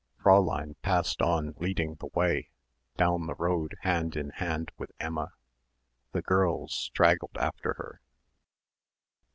Fräulein passed on leading the way, down the road hand in hand with Emma. The girls straggled after her.